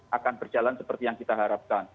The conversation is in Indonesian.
itu tidak akan berjalan seperti yang kita harapkan